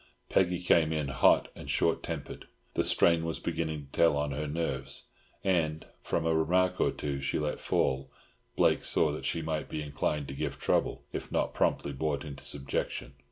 Peggy came in hot and short tempered. The strain was beginning to tell on her nerves, and, from a remark or two she let fall, Blake saw that she might be inclined to give trouble if not promptly brought into subjection.